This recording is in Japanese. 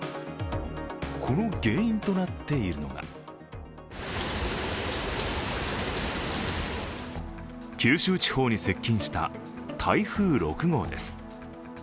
この原因となっているのが九州地方に接近した、台風６号です。